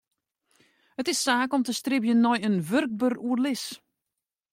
It is saak om te stribjen nei in wurkber oerlis.